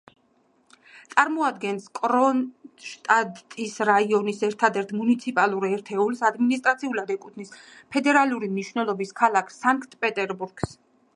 წარმოადგენს კრონშტადტის რაიონის ერთადერთ მუნიციპალურ ერთეულს, ადმინისტრაციულად ეკუთვნის ფედერალური მნიშვნელობის ქალაქ სანქტ-პეტერბურგს.